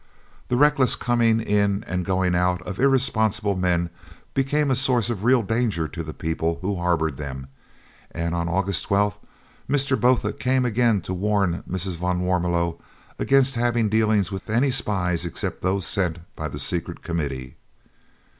The reckless coming in and going out of irresponsible men became a source of real danger to the people who harboured them, and on August 12th Mr. Botha came again to warn Mrs. van Warmelo against having dealings with any spies except those sent by the Secret Committee.